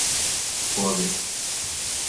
Vorsicht!